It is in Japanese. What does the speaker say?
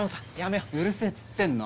うるせえっつってんの。